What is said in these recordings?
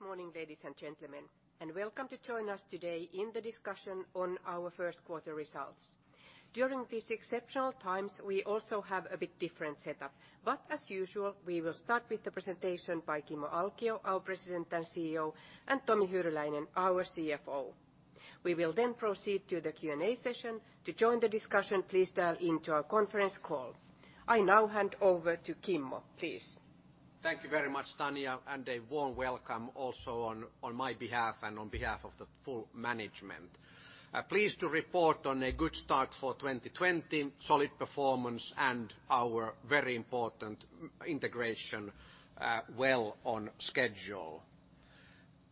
Good morning, ladies and gentlemen, and welcome to join us today in the discussion on our first quarter results. During these exceptional times, we also have a bit different setup, but as usual, we will start with the presentation by Kimmo Alkio, our President and CEO, and Tomi Hyryläinen, our CFO. We will then proceed to the Q&A session. To join the discussion, please dial into our conference call. I now hand over to Kimmo, please. Thank you very much, Tanja, and a warm welcome also on my behalf and on behalf of the full management. Pleased to report on a good start for 2020, solid performance, and our very important integration well on schedule.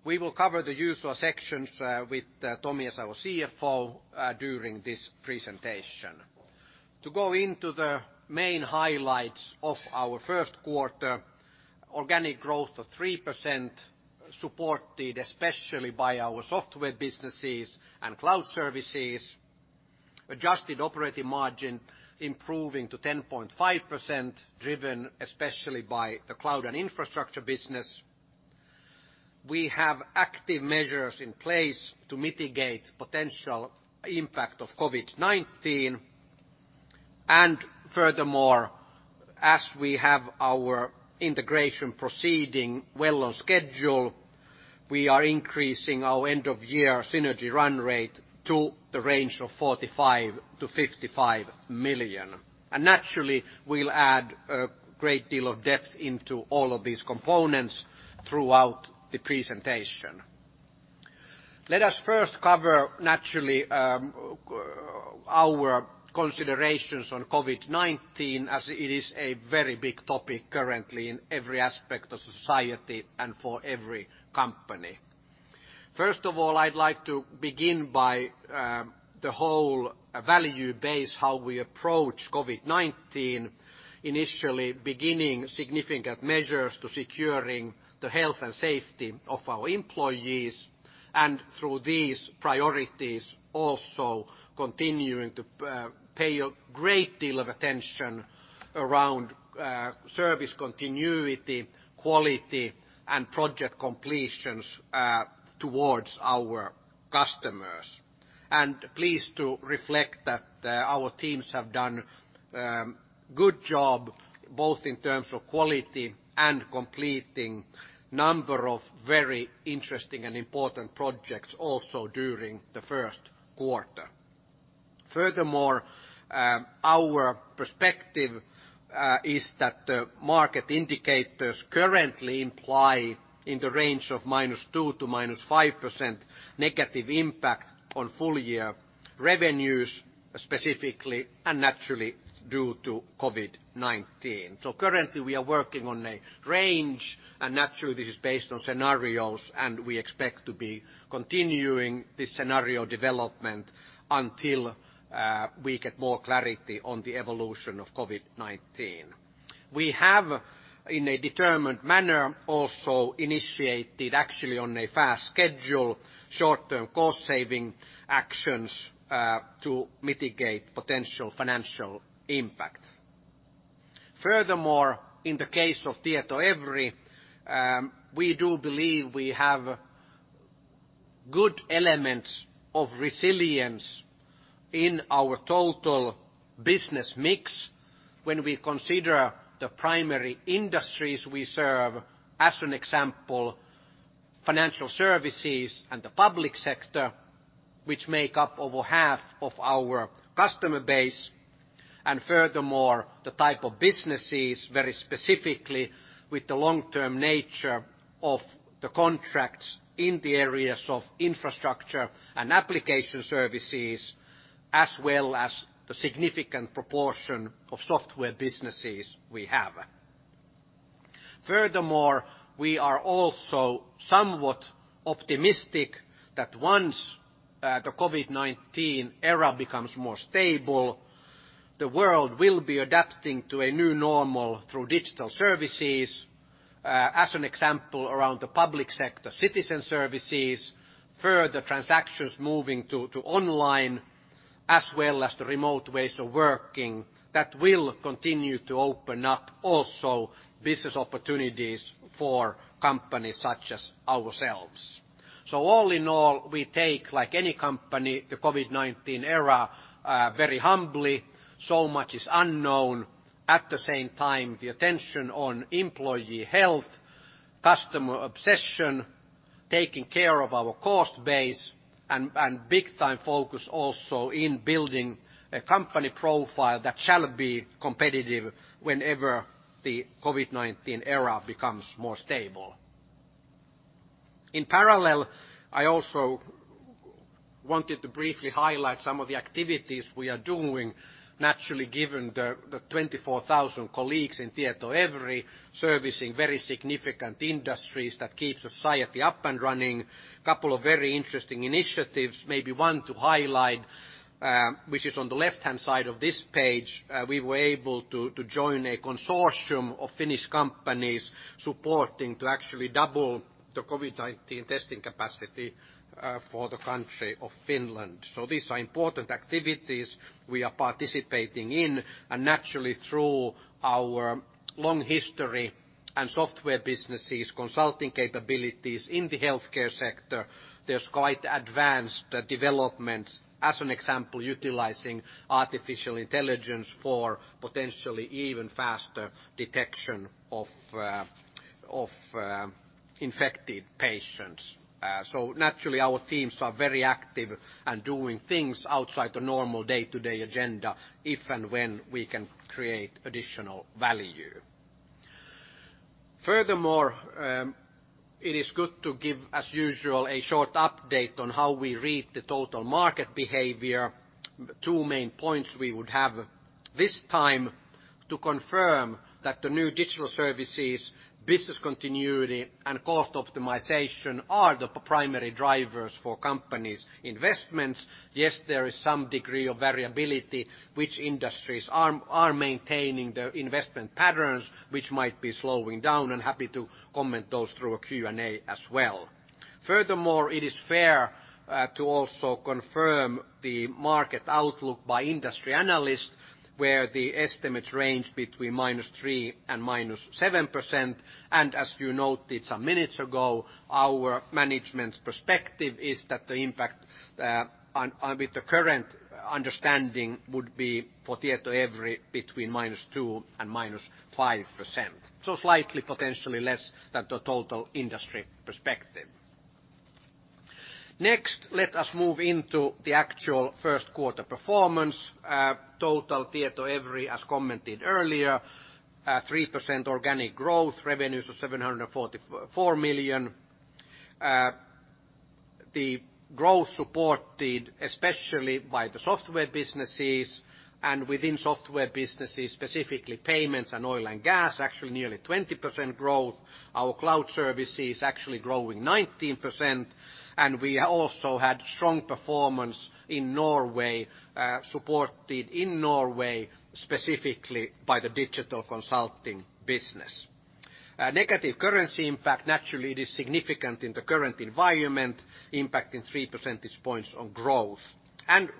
We will cover the usual sections with Tomi as our CFO during this presentation. To go into the main highlights of our first quarter, organic growth of 3% supported especially by our software businesses and cloud services, adjusted operating margin improving to 10.5%, driven especially by the cloud and infrastructure business. We have active measures in place to mitigate the potential impact of COVID-19. Furthermore, as we have our integration proceeding well on schedule, we are increasing our end-of-year synergy run rate to the range of 45 million-55 million. Naturally, we will add a great deal of depth into all of these components throughout the presentation. Let us first cover, naturally, our considerations on COVID-19, as it is a very big topic currently in every aspect of society and for every company. First of all, I'd like to begin by the whole value base, how we approach COVID-19, initially beginning significant measures to secure the health and safety of our employees, and through these priorities, also continuing to pay a great deal of attention around service continuity, quality, and project completions towards our customers. I am pleased to reflect that our teams have done a good job both in terms of quality and completing a number of very interesting and important projects also during the first quarter. Furthermore, our perspective is that the market indicators currently imply in the range of -2% to -5% negative impact on full-year revenues, specifically, and naturally due to COVID-19. Currently, we are working on a range, and naturally, this is based on scenarios, and we expect to be continuing this scenario development until we get more clarity on the evolution of COVID-19. We have, in a determined manner, also initiated, actually on a fast schedule, short-term cost-saving actions to mitigate potential financial impact. Furthermore, in the case of TietoEVRY, we do believe we have good elements of resilience in our total business mix when we consider the primary industries we serve, as an example, financial services and the public sector, which make up over half of our customer base. Furthermore, the type of businesses, very specifically with the long-term nature of the contracts in the areas of infrastructure and application services, as well as the significant proportion of software businesses we have. Furthermore, we are also somewhat optimistic that once the COVID-19 era becomes more stable, the world will be adapting to a new normal through digital services, as an example, around the public sector citizen services, further transactions moving to online, as well as the remote ways of working that will continue to open up also business opportunities for companies such as ourselves. All in all, we take, like any company, the COVID-19 era very humbly. So much is unknown. At the same time, the attention on employee health, customer obsession, taking care of our cost base, and big-time focus also in building a company profile that shall be competitive whenever the COVID-19 era becomes more stable. In parallel, I also wanted to briefly highlight some of the activities we are doing, naturally given the 24,000 colleagues in TietoEVRY servicing very significant industries that keep society up and running. A couple of very interesting initiatives, maybe 1 to highlight, which is on the left-hand side of this page. We were able to join a consortium of Finnish companies supporting to actually double the COVID-19 testing capacity for the country of Finland. These are important activities we are participating in. Naturally, through our long history and software businesses, consulting capabilities in the healthcare sector, there are quite advanced developments, as an example, utilizing artificial intelligence for potentially even faster detection of infected patients. Naturally, our teams are very active and doing things outside the normal day-to-day agenda if and when we can create additional value. Furthermore, it is good to give, as usual, a short update on how we read the total market behavior. 2 main points we would have this time to confirm that the new digital services, business continuity, and cost optimization are the primary drivers for companies' investments. Yes, there is some degree of variability which industries are maintaining their investment patterns, which might be slowing down. I'm happy to comment those through a Q&A as well. Furthermore, it is fair to also confirm the market outlook by industry analysts, where the estimates range between -3% and -7%. As you noted some minutes ago, our management perspective is that the impact with the current understanding would be for TietoEVRY between -2% and -5%. Slightly potentially less than the total industry perspective. Next, let us move into the actual first quarter performance. Total TietoEVRY, as commented earlier, 3% organic growth, revenues of 744 million. The growth supported especially by the software businesses and within software businesses, specifically payments and oil and gas, actually nearly 20% growth. Our cloud services actually growing 19%. We also had strong performance in Norway, supported in Norway, specifically by the digital consulting business. Negative currency impact, naturally, it is significant in the current environment, impacting 3 percentage points on growth.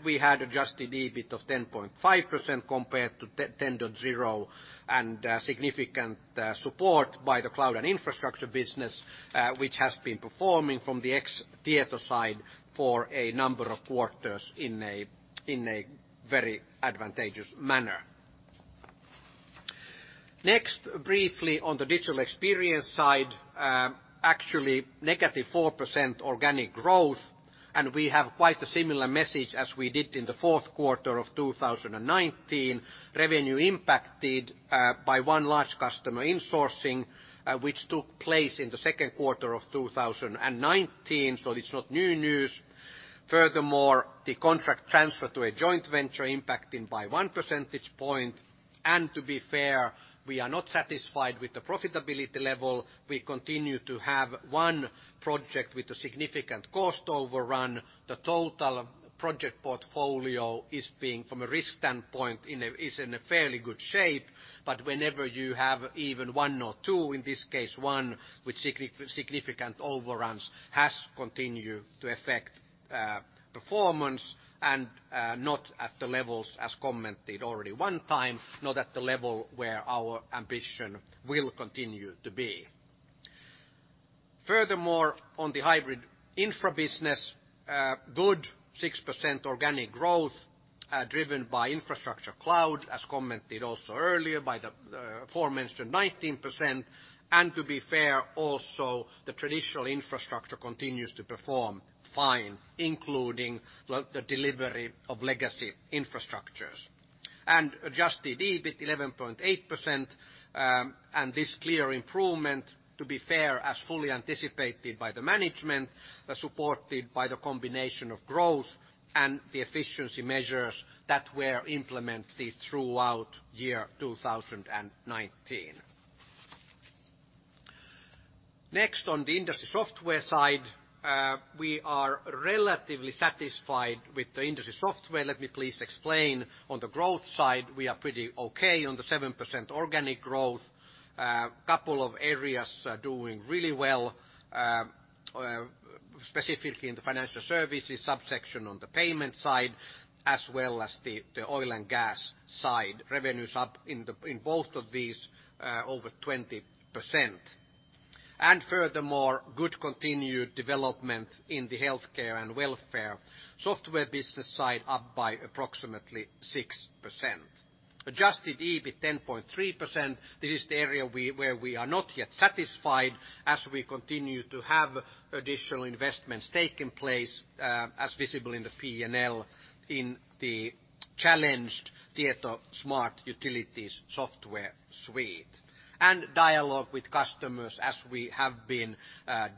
We had adjusted EBIT of 10.5% compared to 10.0 and significant support by the cloud and infrastructure business, which has been performing from the ex-Tieto side for a number of quarters in a very advantageous manner. Next, briefly on the digital experience side, actually negative 4% organic growth, and we have quite a similar message as we did in the fourth quarter of 2019. Revenue impacted by 1 large customer insourcing, which took place in the second quarter of 2019, so it's not new news. Furthermore, the contract transfer to a joint venture impacting by 1 percentage point. To be fair, we are not satisfied with the profitability level. We continue to have 1 project with a significant cost overrun. The total project portfolio is being, from a risk standpoint, in a fairly good shape, but whenever you have even 1 or 2, in this case 1, with significant overruns, has continued to affect performance and not at the levels as commented already 1 time, not at the level where our ambition will continue to be. Furthermore, on the hybrid infra business, good 6% organic growth driven by infrastructure cloud, as commented also earlier by the aforementioned 19%. To be fair, also the traditional infrastructure continues to perform fine, including the delivery of legacy infrastructures. Adjusted EBIT 11.8%, and this clear improvement, to be fair, as fully anticipated by the management, supported by the combination of growth and the efficiency measures that were implemented throughout year 2019. Next, on the industry software side, we are relatively satisfied with the industry software. Let me please explain. On the growth side, we are pretty okay on the 7% organic growth. A couple of areas are doing really well, specifically in the financial services subsection on the payment side, as well as the oil and gas side. Revenues up in both of these over 20%. Furthermore, good continued development in the healthcare and welfare software business side up by approximately 6%. Adjusted EBIT 10.3%. This is the area where we are not yet satisfied as we continue to have additional investments taking place, as visible in the P&L in the challenged TietoSmart Utilities software suite. Dialogue with customers, as we have been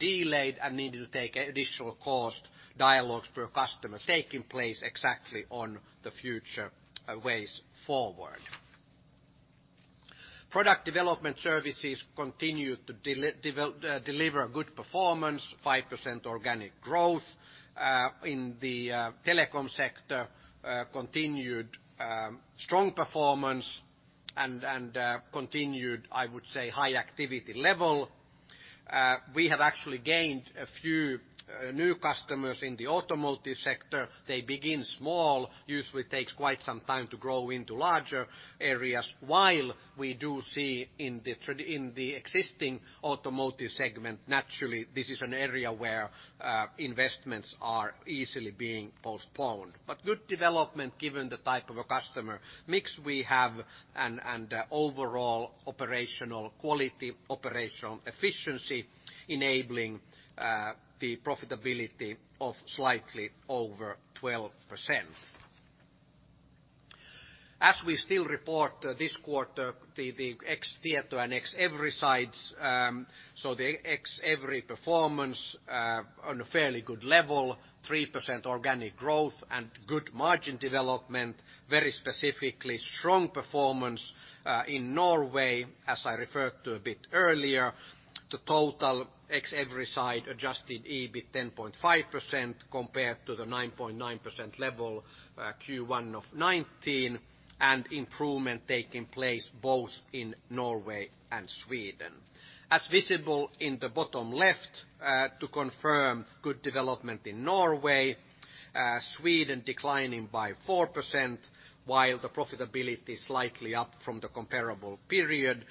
delayed and needed to take additional cost, dialogues per customer taking place exactly on the future ways forward. Product Development Services continue to deliver good performance, 5% organic growth. In the telecom sector, continued strong performance and continued, I would say, high activity level. We have actually gained a few new customers in the automotive sector. They begin small, usually takes quite some time to grow into larger areas, while we do see in the existing automotive segment, naturally, this is an area where investments are easily being postponed. Good development given the type of a customer mix we have and overall operational quality, operational efficiency, enabling the profitability of slightly over 12%. As we still report this quarter, the ex-Tieto and ex-EVRY sides, so the ex-EVRY performance on a fairly good level, 3% organic growth and good margin development, very specifically strong performance in Norway, as I referred to a bit earlier. The total ex-EVRY side adjusted EBIT 10.5% compared to the 9.9% level Q1 of 2019, and improvement taking place both in Norway and Sweden. As visible in the bottom left, to confirm good development in Norway, Sweden declining by 4%, while the profitability is slightly up from the comparable period.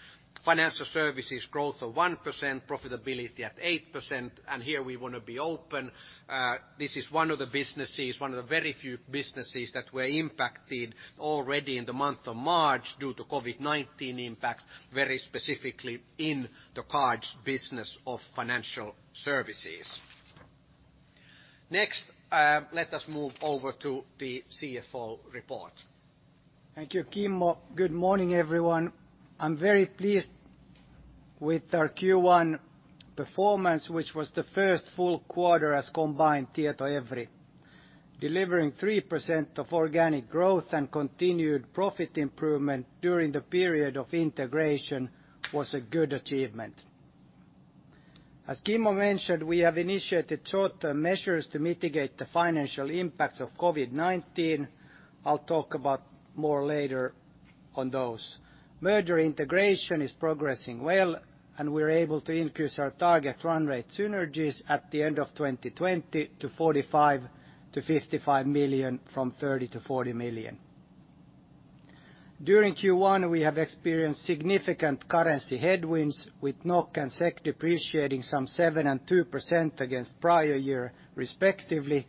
Financial services growth of 1%, profitability at 8%, and here we want to be open. This is 1 of the businesses, 1 of the very few businesses that were impacted already in the month of March due to COVID-19 impacts, very specifically in the cards business of financial services. Next, let us move over to the CFO report. Thank you, Kimmo. Good morning, everyone. I'm very pleased with our Q1 performance, which was the first full quarter as combined TietoEVRY. Delivering 3% of organic growth and continued profit improvement during the period of integration was a good achievement. As Kimmo mentioned, we have initiated short-term measures to mitigate the financial impacts of COVID-19. I'll talk about more later on those. Merger integration is progressing well, and we're able to increase our target run rate synergies at the end of 2020 to 45-55 million from 30-40 million. During Q1, we have experienced significant currency headwinds, with NOK and SEK depreciating some 7% and 2% against prior year, respectively.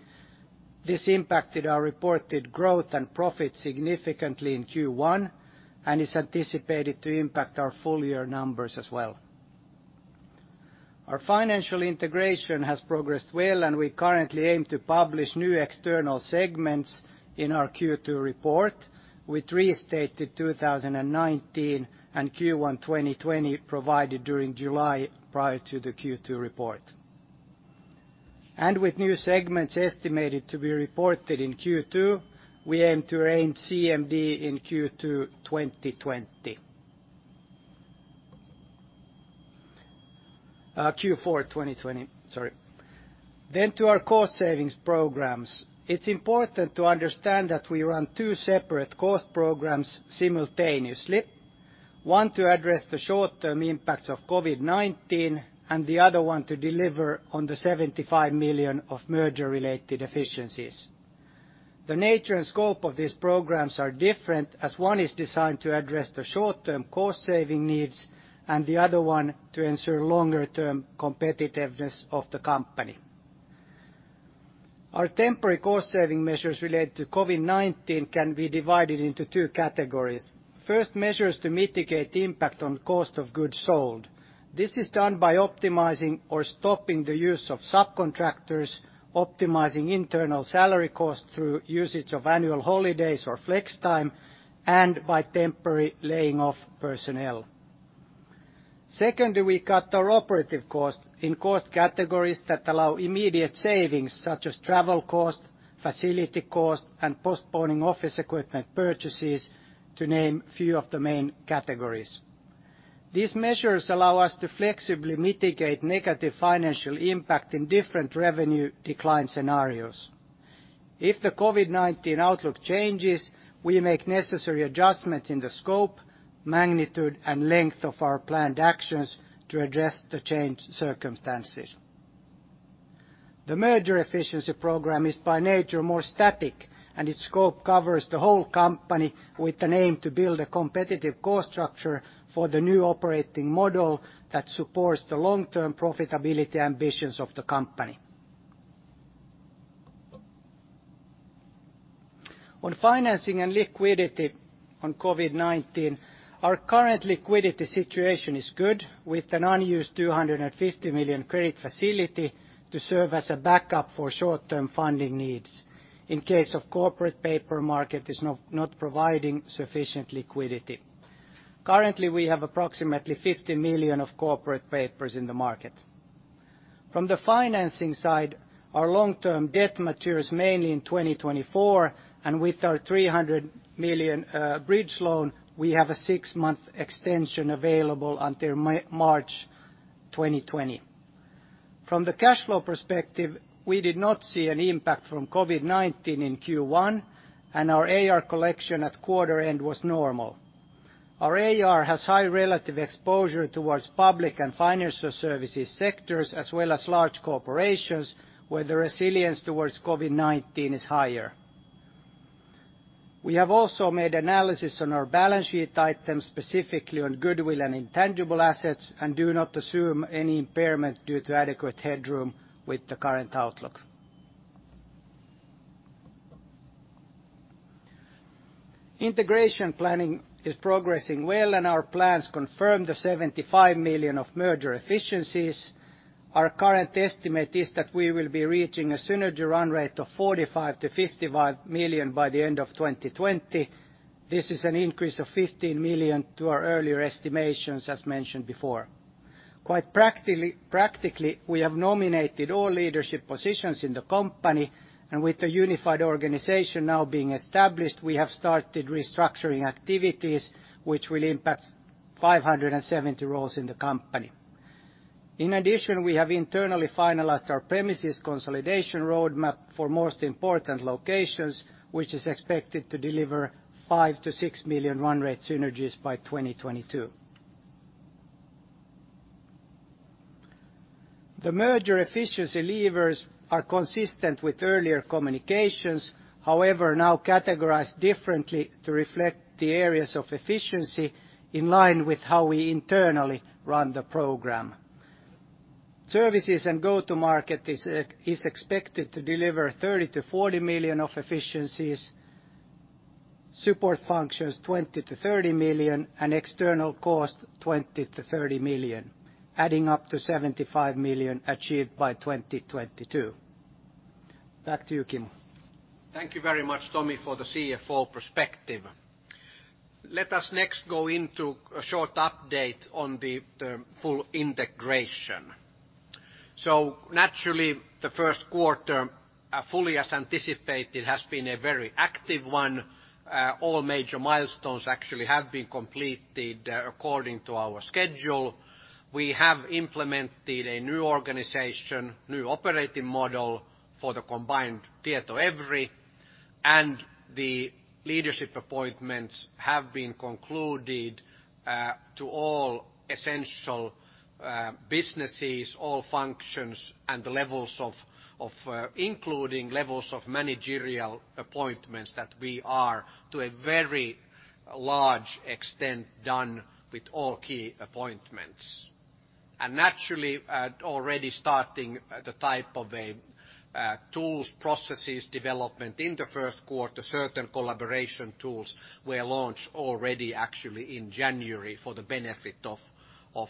This impacted our reported growth and profit significantly in Q1 and is anticipated to impact our full year numbers as well. Our financial integration has progressed well, and we currently aim to publish new external segments in our Q2 report, with restated 2019 and Q1 2020 provided during July prior to the Q2 report. With new segments estimated to be reported in Q2, we aim to aim CMD in Q4 2020, sorry. To our cost savings programs. It's important to understand that we run 2 separate cost programs simultaneously. 1 to address the short-term impacts of COVID-19 and the other 1 to deliver on the 75 million of merger-related efficiencies. The nature and scope of these programs are different, as 1 is designed to address the short-term cost saving needs and the other 1 to ensure longer-term competitiveness of the company. Our temporary cost saving measures related to COVID-19 can be divided into 2 categories. First, measures to mitigate impact on cost of goods sold. This is done by optimizing or stopping the use of subcontractors, optimizing internal salary costs through usage of annual holidays or flex time, and by temporarily laying off personnel. Second, we cut our operative costs in cost categories that allow immediate savings, such as travel cost, facility cost, and postponing office equipment purchases, to name a few of the main categories. These measures allow us to flexibly mitigate negative financial impact in different revenue decline scenarios. If the COVID-19 outlook changes, we make necessary adjustments in the scope, magnitude, and length of our planned actions to address the changed circumstances. The merger efficiency program is by nature more static, and its scope covers the whole company with an aim to build a competitive cost structure for the new operating model that supports the long-term profitability ambitions of the company. On financing and liquidity on COVID-19, our current liquidity situation is good, with an unused 250 million credit facility to serve as a backup for short-term funding needs in case the corporate paper market is not providing sufficient liquidity. Currently, we have approximately 50 million of corporate papers in the market. From the financing side, our long-term debt matures mainly in 2024, and with our 300 million bridge loan, we have a six-month extension available until March 2021. From the cash flow perspective, we did not see an impact from COVID-19 in Q1, and our AR collection at quarter end was normal. Our AR has high relative exposure towards public and financial services sectors, as well as large corporations, where the resilience towards COVID-19 is higher. We have also made analysis on our balance sheet items, specifically on goodwill and intangible assets, and do not assume any impairment due to adequate headroom with the current outlook. Integration planning is progressing well, and our plans confirm the 75 million of merger efficiencies. Our current estimate is that we will be reaching a synergy run rate of 45-55 million by the end of 2020. This is an increase of 15 million to our earlier estimations, as mentioned before. Quite practically, we have nominated all leadership positions in the company, and with the unified organization now being established, we have started restructuring activities, which will impact 570 roles in the company. In addition, we have internally finalized our premises consolidation roadmap for most important locations, which is expected to deliver 5-6 million run rate synergies by 2022. The merger efficiency levers are consistent with earlier communications, however now categorized differently to reflect the areas of efficiency in line with how we internally run the program. Services and go-to-market is expected to deliver 30 million-40 million of efficiencies, support functions 20 million-30 million, and external cost 20 million-30 million, adding up to 75 million achieved by 2022. Back to you, Kimmo. Thank you very much, Tomi, for the CFO perspective. Let us next go into a short update on the full integration. Naturally, the first quarter, fully as anticipated, has been a very active 1. All major milestones actually have been completed according to our schedule. We have implemented a new organization, new operating model for the combined TietoEVRY, and the leadership appointments have been concluded to all essential businesses, all functions, and levels including levels of managerial appointments that we are to a very large extent done with all key appointments. Naturally, already starting the type of tools, processes development in the first quarter, certain collaboration tools were launched already actually in January for the benefit of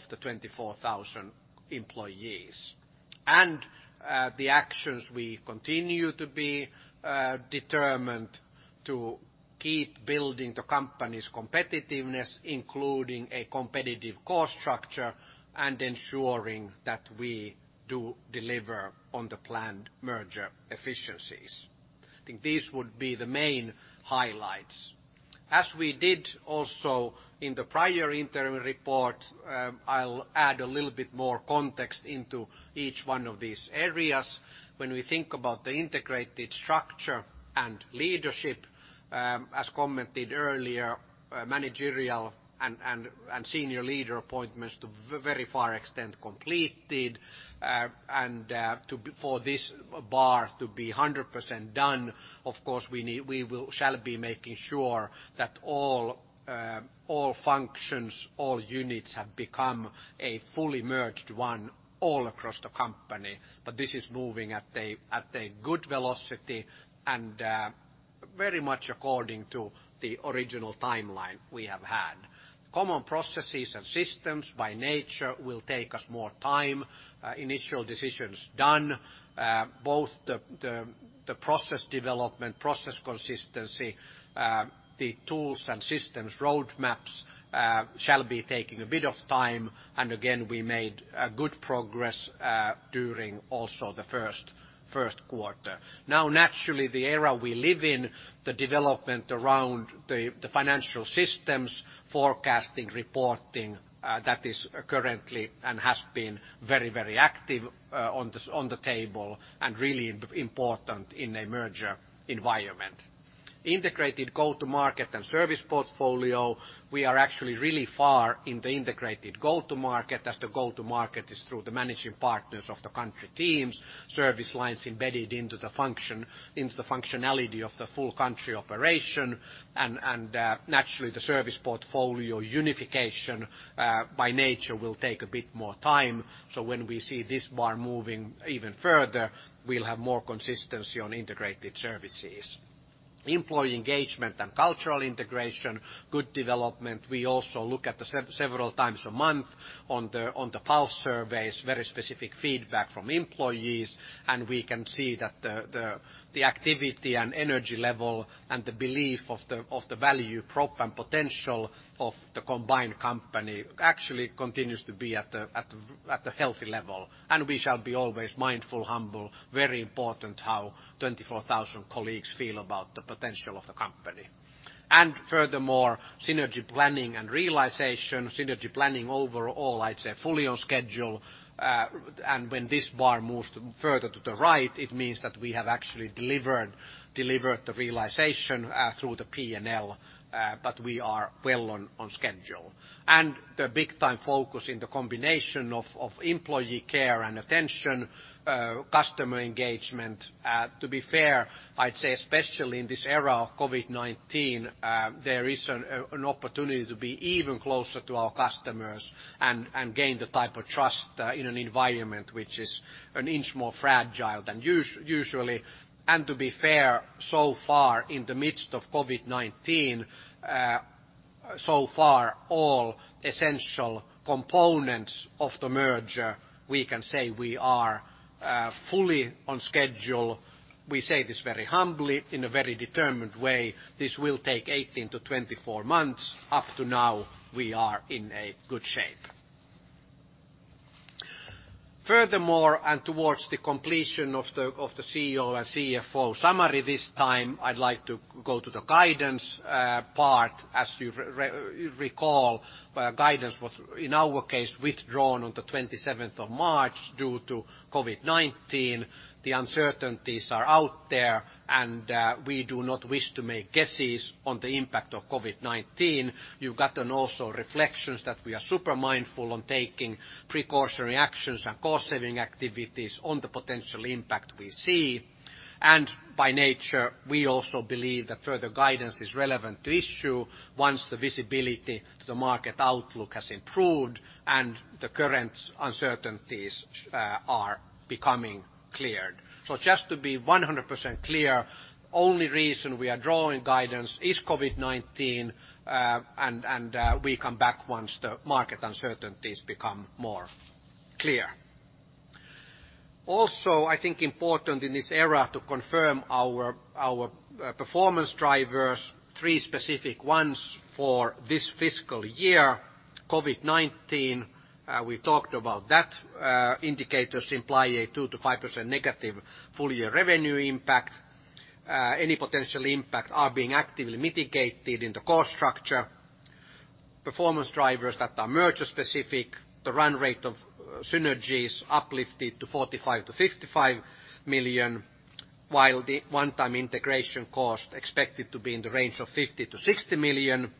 the 24,000 employees. The actions we continue to be determined to keep building the company's competitiveness, including a competitive cost structure and ensuring that we do deliver on the planned merger efficiencies. I think these would be the main highlights. As we did also in the prior interim report, I'll add a little bit more context into each 1 of these areas. When we think about the integrated structure and leadership, as commented earlier, managerial and senior leader appointments to very far extent completed. For this bar to be 100% done, of course, we shall be making sure that all functions, all units have become a fully merged 1 all across the company. This is moving at a good velocity and very much according to the original timeline we have had. Common processes and systems by nature will take us more time. Initial decisions done, both the process development, process consistency, the tools and systems roadmaps shall be taking a bit of time. Again, we made good progress during also the first quarter. Now, naturally, the era we live in, the development around the financial systems, forecasting, reporting, that is currently and has been very, very active on the table and really important in a merger environment. Integrated go-to-market and service portfolio, we are actually really far in the integrated go-to-market as the go-to-market is through the managing partners of the country teams, service lines embedded into the functionality of the full country operation. Naturally, the service portfolio unification by nature will take a bit more time. When we see this bar moving even further, we'll have more consistency on integrated services. Employee engagement and cultural integration, good development. We also look at several times a month on the pulse surveys, very specific feedback from employees, and we can see that the activity and energy level and the belief of the value prop and potential of the combined company actually continues to be at a healthy level. We shall be always mindful, humble, very important how 24,000 colleagues feel about the potential of the company. Furthermore, synergy planning and realization, synergy planning overall, I'd say fully on schedule. When this bar moves further to the right, it means that we have actually delivered the realization through the P&L, but we are well on schedule. The big-time focus in the combination of employee care and attention, customer engagement. To be fair, I'd say especially in this era of COVID-19, there is an opportunity to be even closer to our customers and gain the type of trust in an environment which is an inch more fragile than usually. To be fair, so far in the midst of COVID-19, so far all essential components of the merger, we can say we are fully on schedule. We say this very humbly, in a very determined way. This will take 18 to 24 months. Up to now, we are in a good shape. Furthermore, and towards the completion of the CEO and CFO summary this time, I'd like to go to the guidance part. As you recall, guidance was in our case withdrawn on the 27th of March due to COVID-19. The uncertainties are out there, and we do not wish to make guesses on the impact of COVID-19. You've gotten also reflections that we are super mindful on taking precautionary actions and cost-saving activities on the potential impact we see. By nature, we also believe that further guidance is relevant to issue once the visibility to the market outlook has improved and the current uncertainties are becoming cleared. Just to be 100% clear, the only reason we are drawing guidance is COVID-19, and we come back once the market uncertainties become more clear. Also, I think important in this era to confirm our performance drivers, 3 specific ones for this fiscal year, COVID-19. We talked about that. Indicators imply a 2-5% negative full-year revenue impact. Any potential impact are being actively mitigated in the cost structure. Performance drivers that are merger-specific, the run rate of synergies uplifted to 45-55 million, while the one-time integration cost expected to be in the range of 50-60 million.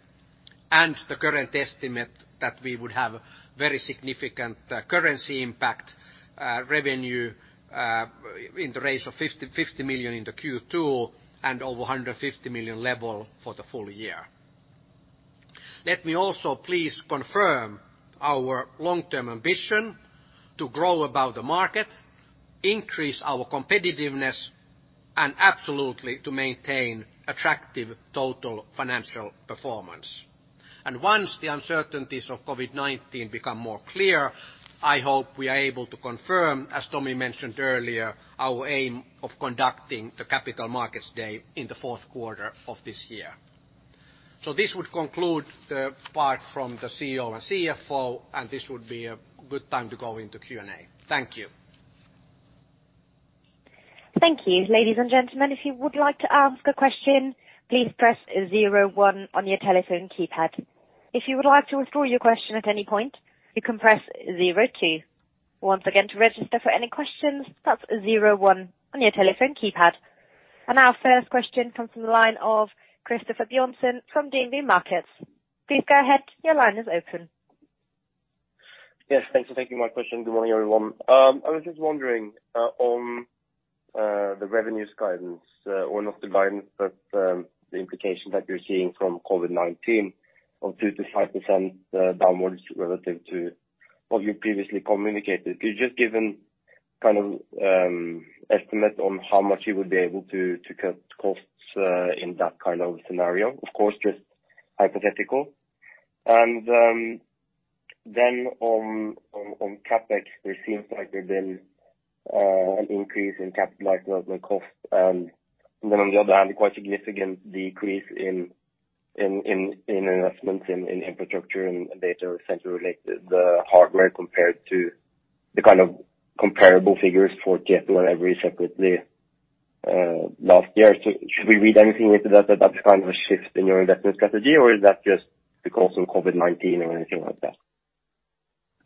The current estimate that we would have very significant currency impact revenue in the range of 50 million in the Q2 and over 150 million level for the full year. Let me also please confirm our long-term ambition to grow above the market, increase our competitiveness, and absolutely to maintain attractive total financial performance. Once the uncertainties of COVID-19 become more clear, I hope we are able to confirm, as Tomi mentioned earlier, our aim of conducting the capital markets day in the fourth quarter of this year. This would conclude the part from the CEO and CFO, and this would be a good time to go into Q&A. Thank you. Thank you, ladies and gentlemen. If you would like to ask a question, please press 01 on your telephone keypad. If you would like to withdraw your question at any point, you can press 02. Once again, to register for any questions, press 01 on your telephone keypad. Our first question comes from the line of Christopher Bjornsen from DNB Markets. Please go ahead, your line is open. Yes, thanks for taking my question. Good morning, everyone. I was just wondering on the revenues guidance or not the guidance, but the implications that you're seeing from COVID-19 of 2-5% downwards relative to what you previously communicated. Could you just give an estimate on how much you would be able to cut costs in that kind of scenario? Of course, just hypothetical. Then on CapEx, it seems like there's been an increase in capital development costs. On the other hand, a quite significant decrease in investments in infrastructure and data center-related hardware compared to the kind of comparable figures for TietoEVRY separately last year. Should we read anything into that? That's kind of a shift in your investment strategy, or is that just because of COVID-19 or anything like that?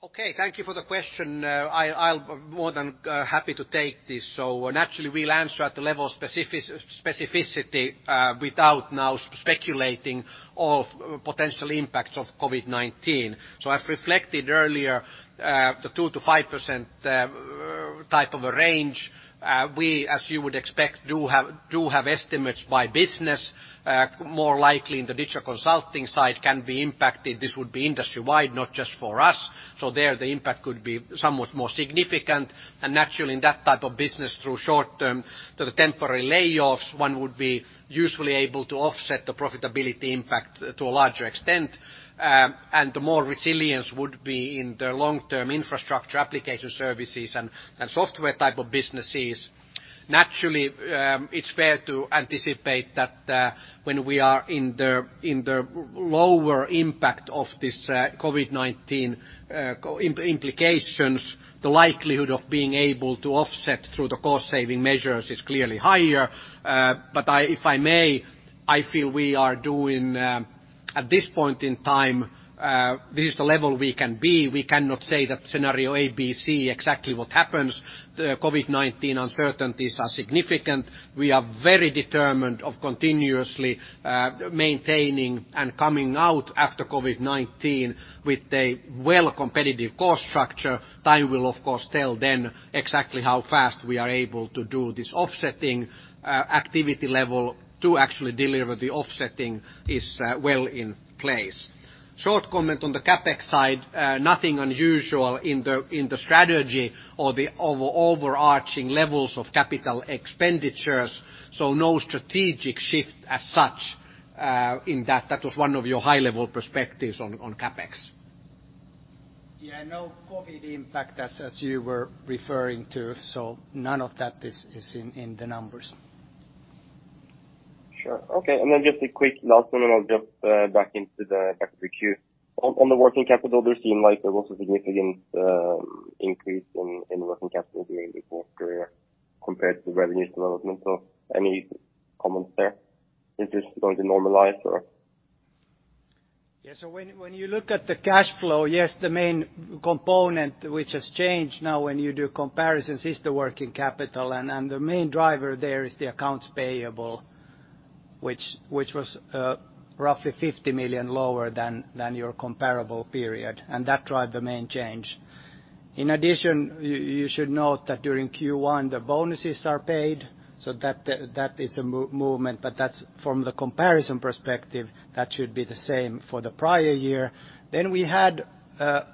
Okay, thank you for the question. I'm more than happy to take this. Naturally, we'll answer at the level of specificity without now speculating on potential impacts of COVID-19. I've reflected earlier the 2-5% type of a range. We, as you would expect, do have estimates by business. More likely in the digital consulting side can be impacted. This would be industry-wide, not just for us. There, the impact could be somewhat more significant. Naturally, in that type of business, through short-term to the temporary layoffs, 1 would be usually able to offset the profitability impact to a larger extent. The more resilience would be in the long-term infrastructure application services and software type of businesses. Naturally, it's fair to anticipate that when we are in the lower impact of this COVID-19 implications, the likelihood of being able to offset through the cost-saving measures is clearly higher. If I may, I feel we are doing at this point in time, this is the level we can be. We cannot say that scenario A, B, C exactly what happens. COVID-19 uncertainties are significant. We are very determined of continuously maintaining and coming out after COVID-19 with a well-competitive cost structure. Time will, of course, tell then exactly how fast we are able to do this offsetting. Activity level to actually deliver the offsetting is well in place. Short comment on the CapEx side, nothing unusual in the strategy or the overarching levels of capital expenditures. No strategic shift as such in that. That was 1 of your high-level perspectives on CapEx. Yeah, no COVID impact as you were referring to. None of that is in the numbers. Sure. Okay. Just a quick last 1, and I'll jump back into the back of the queue. On the working capital, there seemed like there was a significant increase in working capital during the fourth quarter compared to the revenues development. Any comments there? Is this going to normalize or? Yeah. When you look at the cash flow, yes, the main component which has changed now when you do comparisons is the working capital. The main driver there is the accounts payable, which was roughly 50 million lower than your comparable period. That drives the main change. In addition, you should note that during Q1, the bonuses are paid. That is a movement. From the comparison perspective, that should be the same for the prior year. We had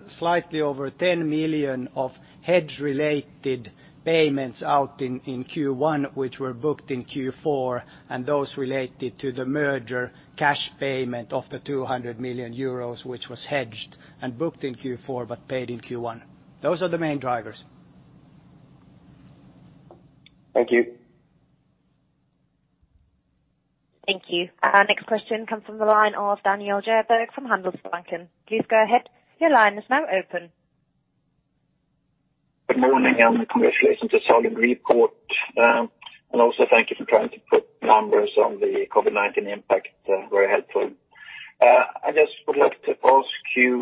slightly over 10 million of hedge-related payments out in Q1, which were booked in Q4, and those related to the merger cash payment of the 200 million euros, which was hedged and booked in Q4 but paid in Q1. Those are the main drivers. Thank you. Thank you. Our next question comes from the line of Daniel Jervell from Handelsbanken. Please go ahead. Your line is now open. Good morning. Congratulations to strong report. And also thank you for trying to put numbers on the COVID-19 impact. Very helpful. I just would like to ask you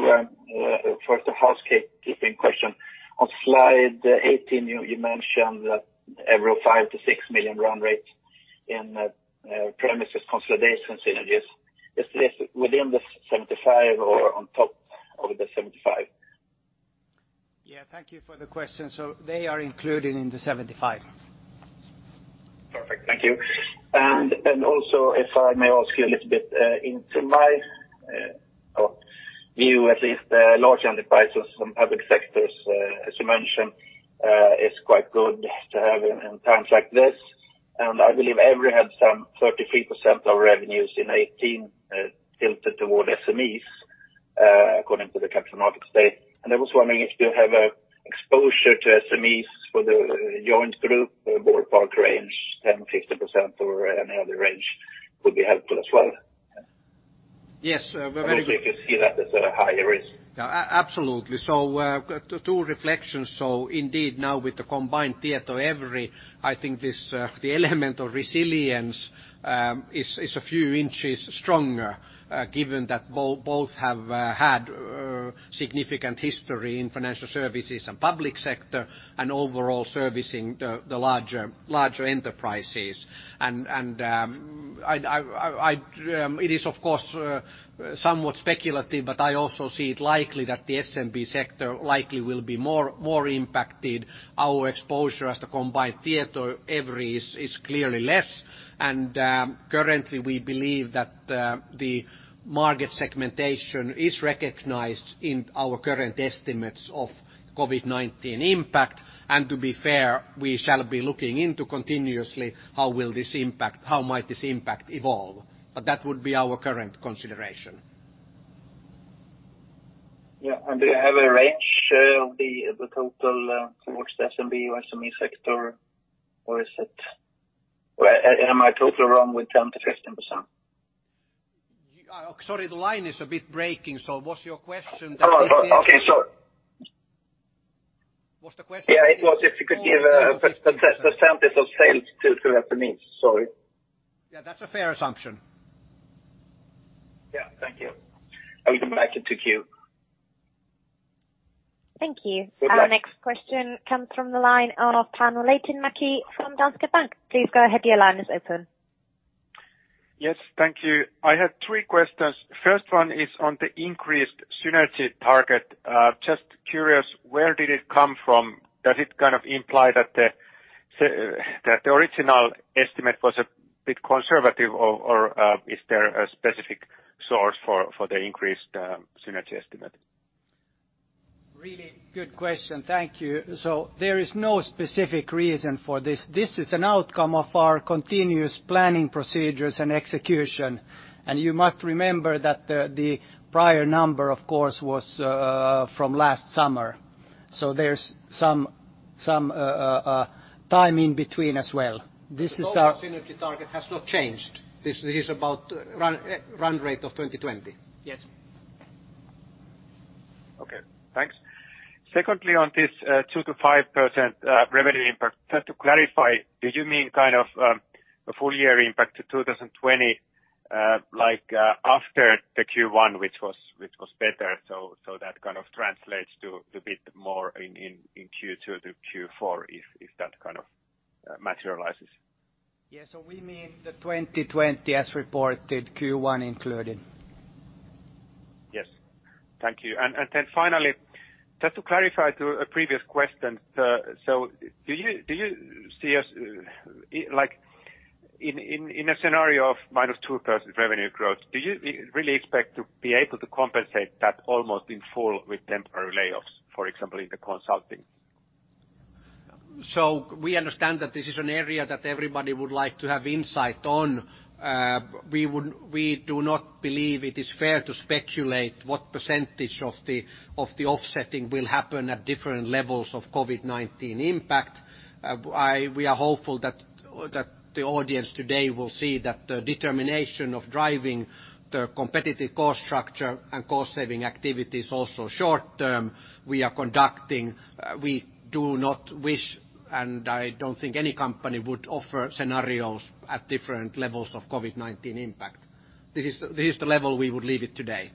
first a housekeeping question. On slide 18, you mentioned that over 5-6 million run rates in premises consolidation synergies. Is this within the 75 or on top of the 75? Yeah, thank you for the question. They are included in the 75. Perfect. Thank you. If I may ask you a little bit, in my view, at least large enterprises from public sectors, as you mentioned, it's quite good to have in times like this. I believe EVRY had, 33% of revenues in 2018, tilted toward SMEs according to the capital markets day. I was wondering if you have an exposure to SMEs for the joint group, ballpark range, 10-15%, or any other range would be helpful as well. Yes. Very good. You can see that as a higher risk. Absolutely. 2 reflections. Indeed, now with the combined TietoEVRY, I think the element of resilience is a few inches stronger given that both have had significant history in financial services and public sector and overall servicing the larger enterprises. It is, of course, somewhat speculative, but I also see it likely that the SMB sector likely will be more impacted. Our exposure as the combined TietoEVRY is clearly less. Currently, we believe that the market segmentation is recognized in our current estimates of COVID-19 impact. To be fair, we shall be looking into continuously how might this impact evolve. That would be our current consideration. Yeah. Do you have a range of the total towards the SMB or SME sector, or am I totally wrong with 10-15%? Sorry, the line is a bit breaking. Was your question that this is? Oh, okay. Sorry. Was the question? Yeah, it was if you could give a percentage of sales to SMEs. Sorry. Yeah, that's a fair assumption. Yeah. Thank you. I'll come back into queue. Thank you. Our next question comes from the line of Panu Laitinmäki from Danske Bank. Please go ahead. Your line is open. Yes. Thank you. I had 3 questions. First 1 is on the increased synergy target. Just curious, where did it come from? Does it kind of imply that the original estimate was a bit conservative, or is there a specific source for the increased synergy estimate? Really good question. Thank you. There is no specific reason for this. This is an outcome of our continuous planning procedures and execution. You must remember that the prior number, of course, was from last summer. There is some time in between as well. Our synergy target has not changed. This is about run rate of 2020. Yes. Okay. Thanks. Secondly, on this 2-5% revenue impact, to clarify, did you mean kind of a full-year impact to 2020 after the Q1, which was better? That kind of translates to a bit more in Q2 to Q4 if that kind of materializes. Yeah. We mean the 2020 as reported, Q1 included. Yes. Thank you. Finally, just to clarify to a previous question, do you see us in a scenario of minus 2% revenue growth, do you really expect to be able to compensate that almost in full with temporary layoffs, for example, in the consulting? We understand that this is an area that everybody would like to have insight on. We do not believe it is fair to speculate what percentage of the offsetting will happen at different levels of COVID-19 impact. We are hopeful that the audience today will see that the determination of driving the competitive cost structure and cost-saving activities also short-term, we are conducting. We do not wish, and I don't think any company would offer scenarios at different levels of COVID-19 impact. This is the level we would leave it today.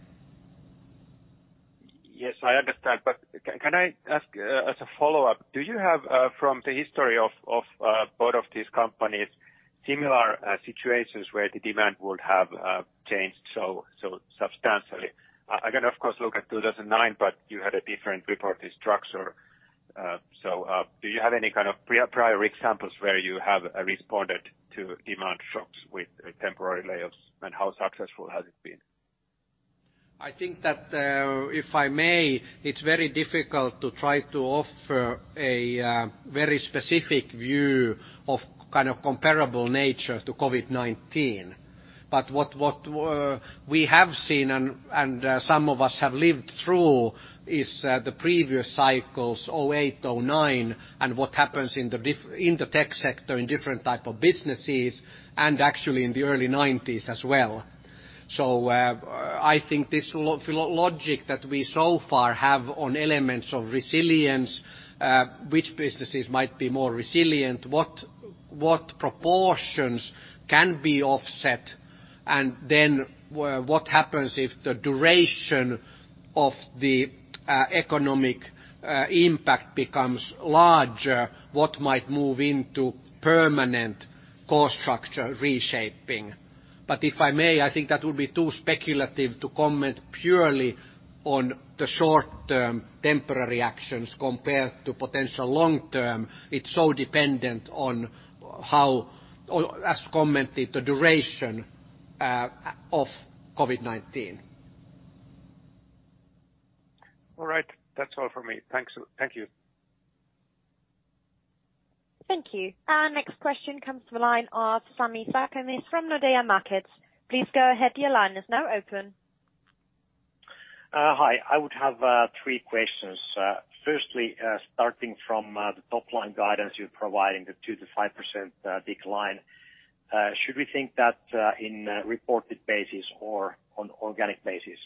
Yes, I understand. Can I ask as a follow-up, do you have from the history of both of these companies similar situations where the demand would have changed so substantially? I can, of course, look at 2009, but you had a different reporting structure. Do you have any kind of prior examples where you have responded to demand shocks with temporary layoffs, and how successful has it been? I think that if I may, it's very difficult to try to offer a very specific view of kind of comparable nature to COVID-19. What we have seen, and some of us have lived through, is the previous cycles, 2008, 2009, and what happens in the tech sector in different types of businesses, and actually in the early 1990s as well. I think this logic that we so far have on elements of resilience, which businesses might be more resilient, what proportions can be offset, and then what happens if the duration of the economic impact becomes larger, what might move into permanent cost structure reshaping. If I may, I think that would be too speculative to comment purely on the short-term temporary actions compared to potential long-term. It is so dependent on how, as commented, the duration of COVID-19. All right. That is all for me. Thank you. Thank you. Our next question comes from the line of Sami Sarkamies from Nordea Markets. Please go ahead. Your line is now open. Hi. I would have 3 questions. Firstly, starting from the top-line guidance you're providing, the 2-5% decline, should we think that in reported basis or on organic basis?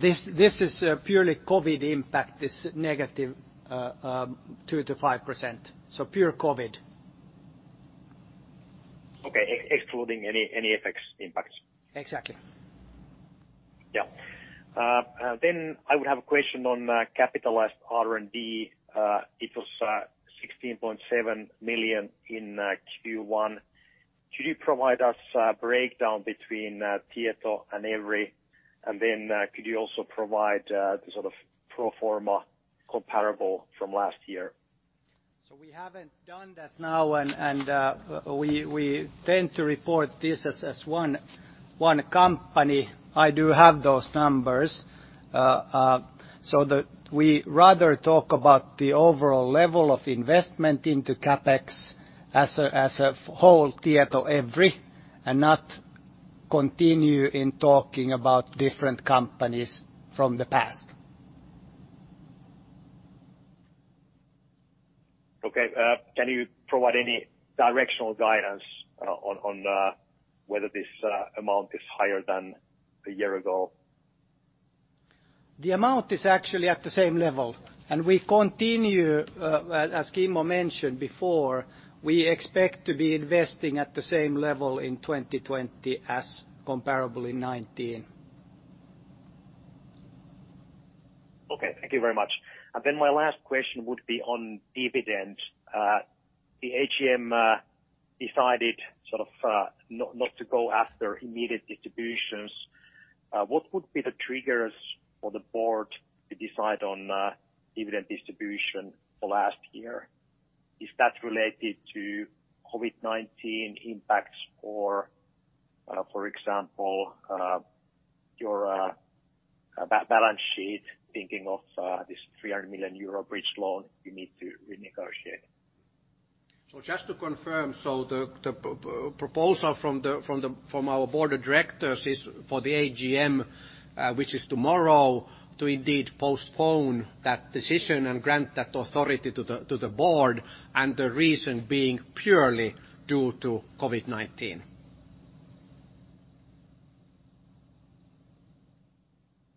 This is purely COVID impact, this negative 2-5%. Pure COVID. Okay. Excluding any effects impacts. Exactly. Yeah. I would have a question on capitalized R&D. It was 16.7 million in Q1. Could you provide us a breakdown between Tieto and EVRY? Could you also provide the sort of pro forma comparable from last year? We haven't done that now, and we tend to report this as 1 company. I do have those numbers. We rather talk about the overall level of investment into CapEx as a whole TietoEVRY and not continue in talking about different companies from the past. Okay. Can you provide any directional guidance on whether this amount is higher than a year ago? The amount is actually at the same level. We continue, as Kimmo mentioned before, we expect to be investing at the same level in 2020 as comparable in 2019. Okay. Thank you very much. My last question would be on dividends. The AGM decided sort of not to go after immediate distributions. What would be the triggers for the board to decide on dividend distribution for last year? Is that related to COVID-19 impacts or, for example, your balance sheet, thinking of this 300 million euro bridge loan you need to renegotiate? Just to confirm, the proposal from our board of directors is for the AGM, which is tomorrow, to indeed postpone that decision and grant that authority to the board, and the reason being purely due to COVID-19.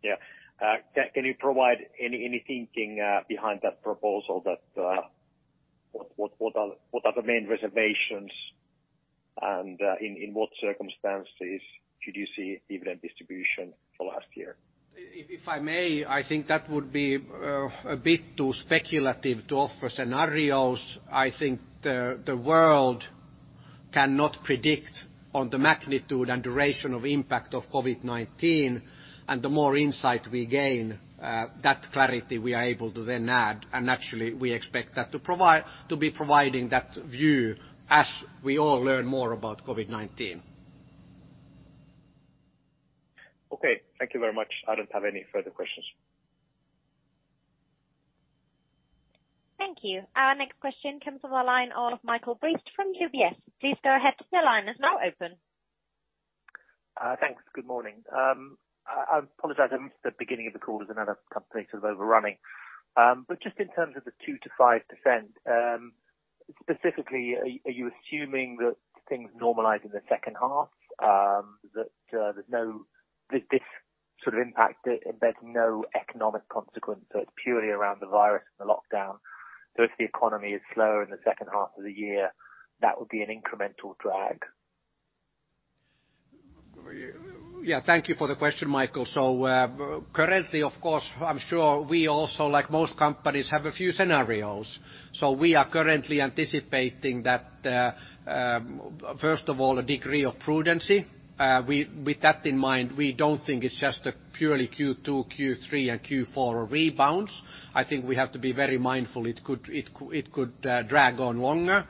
Yeah. Can you provide any thinking behind that proposal? What are the main reservations, and in what circumstances should you see dividend distribution for last year? If I may, I think that would be a bit too speculative to offer scenarios. I think the world cannot predict on the magnitude and duration of impact of COVID-19. The more insight we gain, that clarity we are able to then add. Actually, we expect that to be providing that view as we all learn more about COVID-19. Okay. Thank you very much. I don't have any further questions. Thank you. Our next question comes from the line of Michael Briest from UBS. Please go ahead. Your line is now open. Thanks. Good morning. I apologize. I missed the beginning of the call because another company is sort of overrunning. Just in terms of the 2-5%, specifically, are you assuming that things normalize in the second half, that this sort of impact embeds no economic consequence, so it's purely around the virus and the lockdown? If the economy is slower in the second half of the year, that would be an incremental drag? Yeah. Thank you for the question, Michael. Currently, of course, I'm sure we also, like most companies, have a few scenarios. We are currently anticipating that, first of all, a degree of prudency. With that in mind, we don't think it's just purely Q2, Q3, and Q4 rebounds. I think we have to be very mindful it could drag on longer.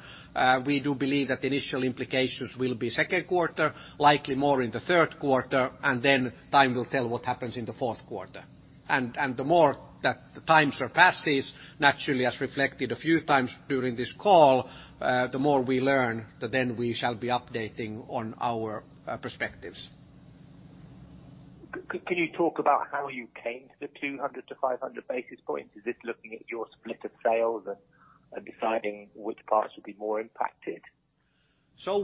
We do believe that initial implications will be second quarter, likely more in the third quarter, and then time will tell what happens in the fourth quarter. The more that time surpasses, naturally, as reflected a few times during this call, the more we learn, then we shall be updating on our perspectives. Can you talk about how you came to the 200-500 basis points? Is this looking at your split of sales and deciding which parts would be more impacted?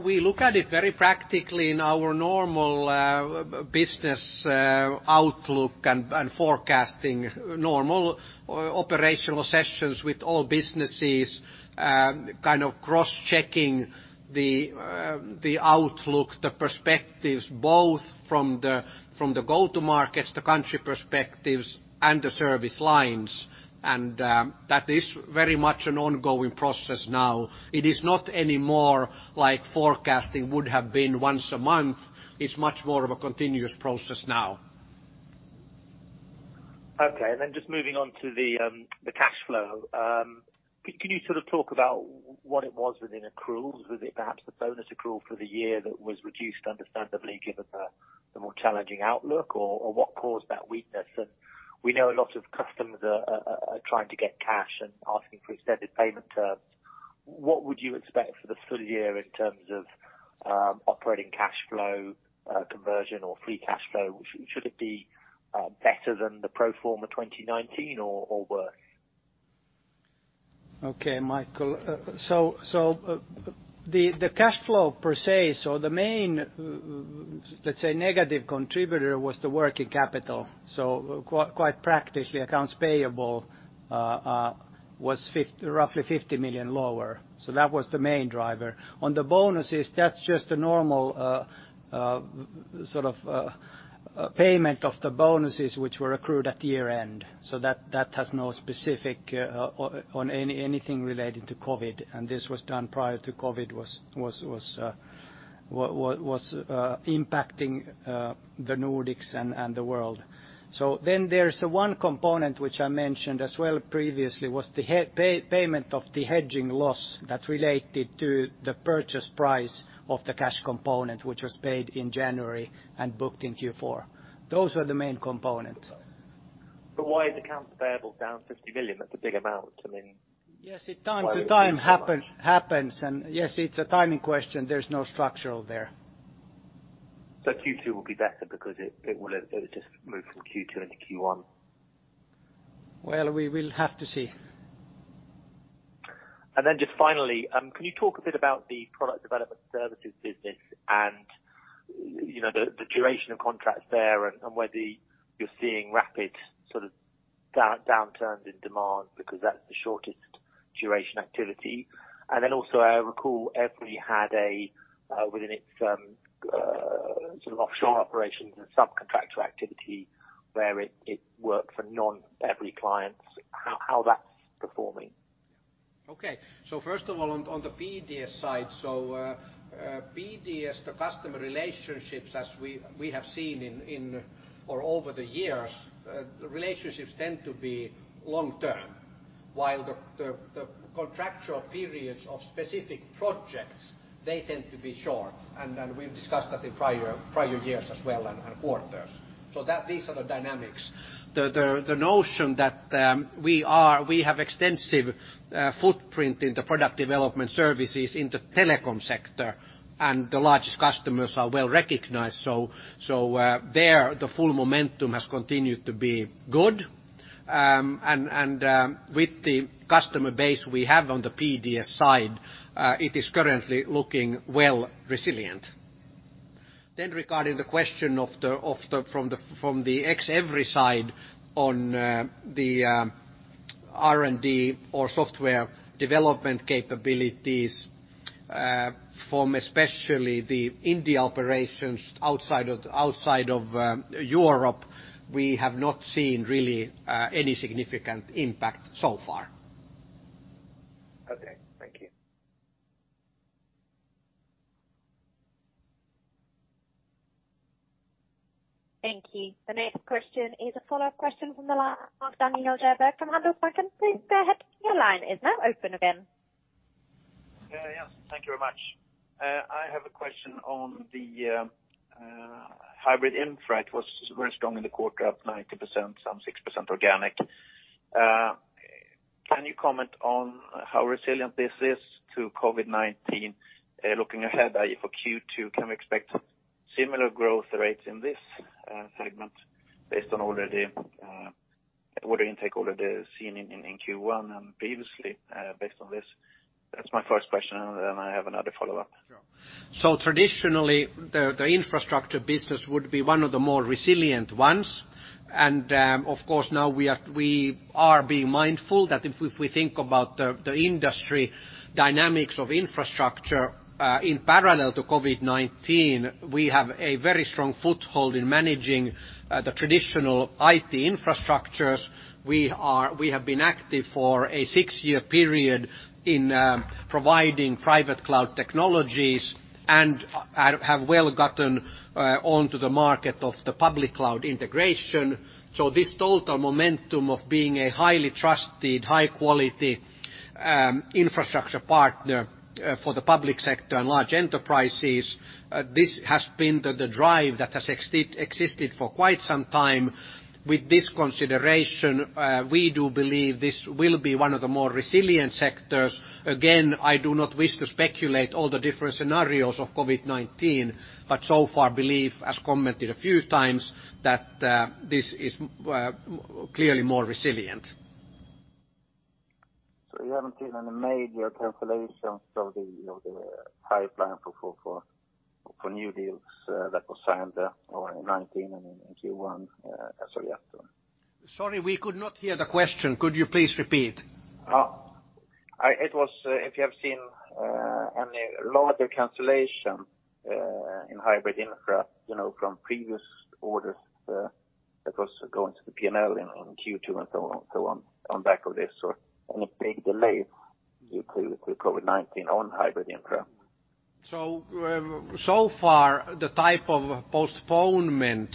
We look at it very practically in our normal business outlook and forecasting, normal operational sessions with all businesses, kind of cross-checking the outlook, the perspectives, both from the go-to-markets, the country perspectives, and the service lines. That is very much an ongoing process now. It is not anymore like forecasting would have been once a month. It is much more of a continuous process now. Okay. Just moving on to the cash flow, can you sort of talk about what it was within accruals? Was it perhaps the bonus accrual for the year that was reduced, understandably, given the more challenging outlook, or what caused that weakness? We know a lot of customers are trying to get cash and asking for extended payment terms. What would you expect for the full year in terms of operating cash flow conversion or free cash flow? Should it be better than the pro forma 2019 or worse? Okay, Michael. The cash flow per se, the main, let's say, negative contributor was the working capital. Quite practically, accounts payable was roughly 50 million lower. That was the main driver. On the bonuses, that's just a normal sort of payment of the bonuses which were accrued at year-end. That has no specific on anything related to COVID-19. This was done prior to COVID-19 was impacting the Nordics and the world. There is 1 component which I mentioned as well previously, which was the payment of the hedging loss that related to the purchase price of the cash component, which was paid in January and booked in Q4. Those were the main components. Why is accounts payable down 50 million? That is a big amount. I mean. Yes, it time to time happens. Yes, it is a timing question. There is no structure there. Q2 will be better because it will just move from Q2 into Q1? We will have to see. Finally, can you talk a bit about the product development services business and the duration of contracts there and whether you are seeing rapid sort of downturns in demand because that is the shortest duration activity? I recall EVRY had within its sort of offshore operations and subcontractor activity where it worked for non-EVRY clients, how that's performing. Okay. First of all, on the PDS side, so PDS, the customer relationships, as we have seen over the years, relationships tend to be long-term, while the contractual periods of specific projects tend to be short. We have discussed that in prior years as well and quarters. These are the dynamics. The notion that we have extensive footprint in the product development services in the telecom sector, and the largest customers are well recognized, so there, the full momentum has continued to be good. With the customer base we have on the PDS side, it is currently looking well resilient. Regarding the question from the ex-EVRY side on the R&D or software development capabilities, from especially the India operations outside of Europe, we have not seen really any significant impact so far. Okay. Thank you. Thank you. The next question is a follow-up question from the line of Daniel Jervell from Handelsbanken. Please go ahead. Your line is now open again. Yeah. Thank you very much. I have a question on the hybrid infrastructure. It was very strong in the quarter of 90%, some 6% organic. Can you comment on how resilient this is to COVID-19? Looking ahead for Q2, can we expect similar growth rates in this segment based on already what intake already seen in Q1 and previously based on this? That's my first question, and then I have another follow-up. Sure. Traditionally, the infrastructure business would be 1 of the more resilient ones. Of course, now we are being mindful that if we think about the industry dynamics of infrastructure in parallel to COVID-19, we have a very strong foothold in managing the traditional IT infrastructures. We have been active for a six-year period in providing private cloud technologies and have well gotten onto the market of the public cloud integration. This total momentum of being a highly trusted, high-quality infrastructure partner for the public sector and large enterprises, this has been the drive that has existed for quite some time. With this consideration, we do believe this will be 1 of the more resilient sectors. Again, I do not wish to speculate all the different scenarios of COVID-19, but so far believe, as commented a few times, that this is clearly more resilient. You have not seen any major cancellations of the pipeline for new deals that were signed in 2019 and in Q1 as of yet? Sorry, we could not hear the question. Could you please repeat? It was if you have seen any larger cancellation in hybrid infra from previous orders that was going to the P&L in Q2 and so on and so on on back of this or any big delays due to COVID-19 on hybrid infra? So far, the type of postponement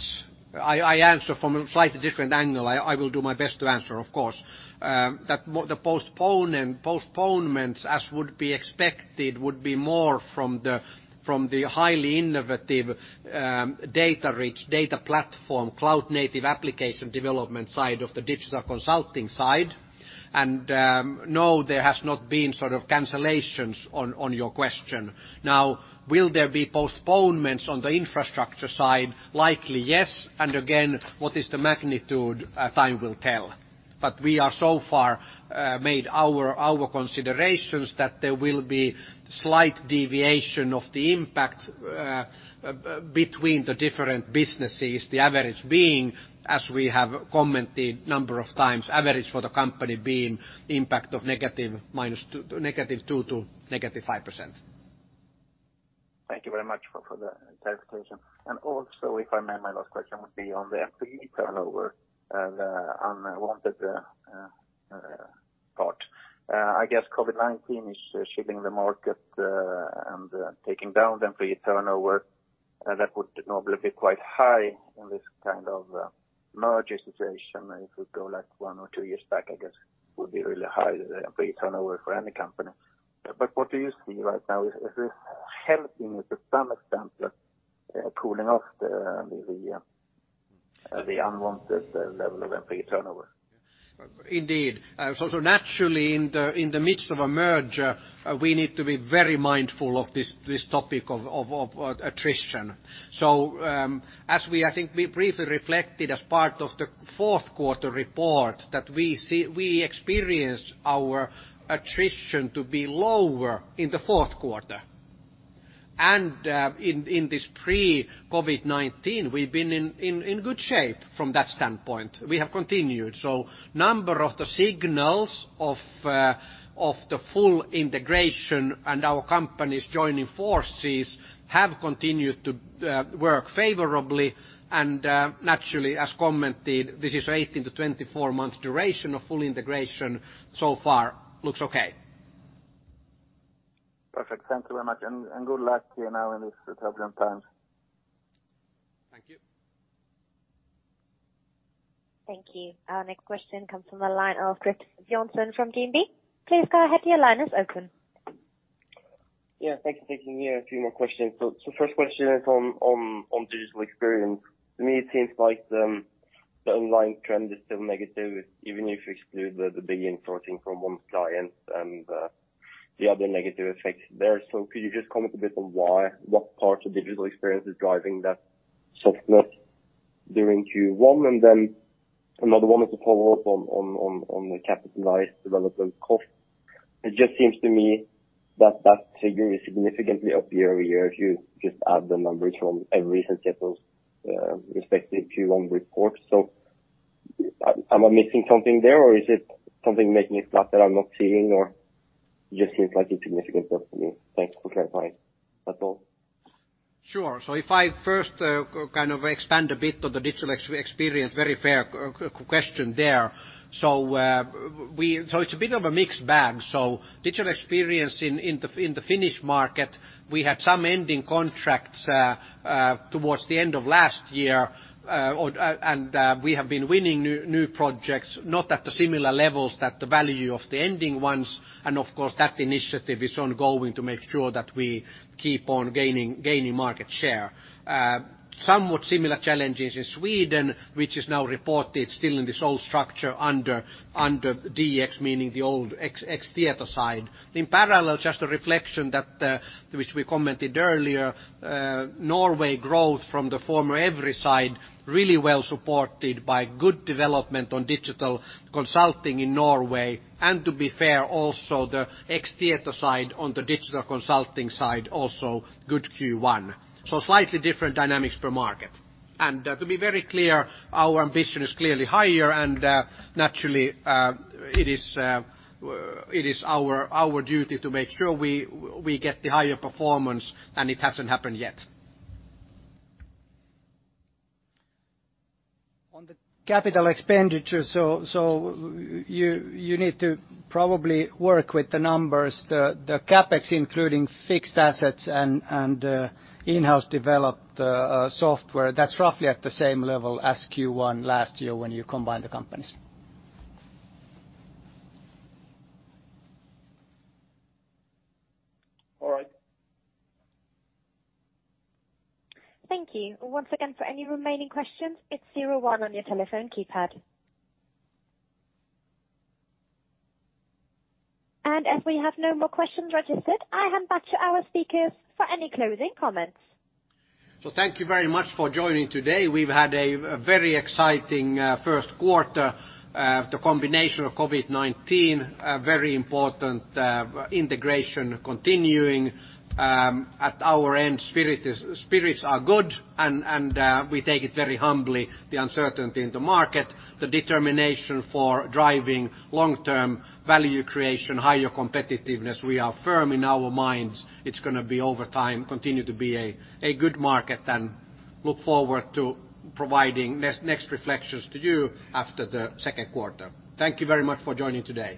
I answer from a slightly different angle. I will do my best to answer, of course. The postponements, as would be expected, would be more from the highly innovative data-rich, data platform, cloud-native application development side of the digital consulting side. No, there has not been sort of cancellations on your question. Now, will there be postponements on the infrastructure side? Likely, yes. Again, what is the magnitude? Time will tell. We have so far made our considerations that there will be slight deviation of the impact between the different businesses, the average being, as we have commented a number of times, average for the company being impact of negative 2% to negative 5%. Thank you very much for the clarification. Also, if I may, my last question would be on the employee turnover and unwanted part. I guess COVID-19 is shielding the market and taking down the employee turnover. That would probably be quite high in this kind of merger situation. If we go like 1 or 2 years back, I guess it would be really high, the employee turnover for any company. What do you see right now? Is this helping to some extent, cooling off the unwanted level of employee turnover? Indeed. Naturally, in the midst of a merger, we need to be very mindful of this topic of attrition. As we, I think, briefly reflected as part of the fourth quarter report, we experienced our attrition to be lower in the fourth quarter. In this pre-COVID-19, we've been in good shape from that standpoint. We have continued. A number of the signals of the full integration and our companies joining forces have continued to work favorably. Naturally, as commented, this is 18-24 months duration of full integration so far looks okay. Perfect. Thank you very much. Good luck now in these turbulent times. Thank you. Thank you. Our next question comes from the line of Kris Johnson from DNB. Please go ahead. Your line is open. Yeah. Thank you for taking a few more questions. First question is on digital experience. To me, it seems like the underlying trend is still negative, even if you exclude the big insourcing from 1 client and the other negative effects there. Could you just comment a bit on what part of digital experience is driving that softness during Q1? Another 1 is a follow-up on the capitalized development cost. It just seems to me that that figure is significantly up year over year if you just add the numbers from EVRY's and Tieto's respective Q1 reports. Am I missing something there, or is it something making it flat that I'm not seeing, or it just seems like insignificant to me? Thanks for clarifying. That's all. Sure. If I first kind of expand a bit on the digital experience, very fair question there. It's a bit of a mixed bag. Digital experience in the Finnish market, we had some ending contracts towards the end of last year, and we have been winning new projects, not at the similar levels that the value of the ending ones. Of course, that initiative is ongoing to make sure that we keep on gaining market share. Somewhat similar challenges in Sweden, which is now reported still in this old structure under DX, meaning the old ex-Tieto side. In parallel, just a reflection that which we commented earlier, Norway growth from the former EVRY side, really well supported by good development on digital consulting in Norway. To be fair, also the ex-Tieto side on the digital consulting side, also good Q1. Slightly different dynamics per market. To be very clear, our ambition is clearly higher, and naturally, it is our duty to make sure we get the higher performance, and it has not happened yet. On the capital expenditure, you need to probably work with the numbers, the CapEx, including fixed assets and in-house developed software. That is roughly at the same level as Q1 last year when you combine the companies. All right. Thank you. Once again, for any remaining questions, it is 01 on your telephone keypad. As we have no more questions registered, I hand back to our speakers for any closing comments. Thank you very much for joining today. We have had a very exciting first quarter, the combination of COVID-19, very important integration continuing. At our end, spirits are good, and we take it very humbly, the uncertainty in the market, the determination for driving long-term value creation, higher competitiveness. We are firm in our minds it's going to be over time, continue to be a good market, and look forward to providing next reflections to you after the second quarter. Thank you very much for joining today.